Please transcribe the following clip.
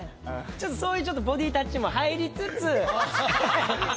ちょっとそういうボディータッチも入りつつ。